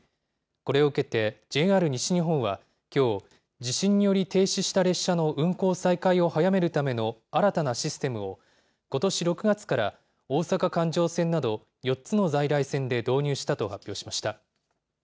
これを受けて、ＪＲ西日本はきょう、地震により停止した列車の運行再開を早めるための新たなシステムを、ことし６月から大阪環状線など、４つの在来線で導入したと発表しました。